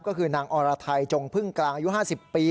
ก็คือนางอรไทยจงพึ่งกลางอายุ๕๐ปี